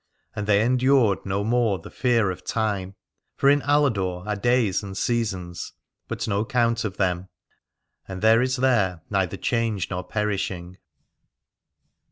And they endured no more the fear of time, for in Aladore are days and seasons, but no count of them : and there is there neither change nor perishing.